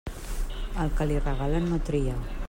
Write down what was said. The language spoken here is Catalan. Al que li regalen, no tria.